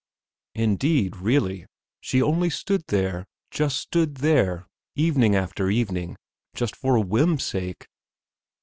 Indeed, really, she only stood there, just stood there, evening after evening, just for a whim's sake!